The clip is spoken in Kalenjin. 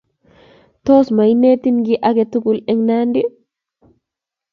Tos mainetin kiy ake tukul eng' Nandi?